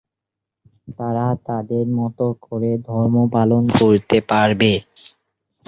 তারা তাদের মত করে ধর্ম পালন করতে পারবে।